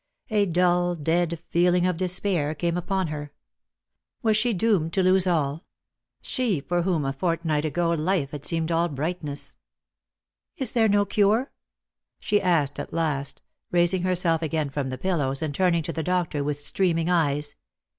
A dull dead feeling of despair came upon her. Was she doomed to lose all — she for whom a fortnight ago life had seemed all brightness P " Is there no cure ?" she asked at last, raising herself again from the pillows, and turning to the doctor with streaming eyes.